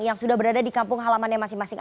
yang sudah berada di kampung halamannya masing masing